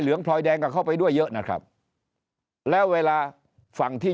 พลอยแดงก็เข้าไปด้วยเยอะนะครับแล้วเวลาฝั่งที่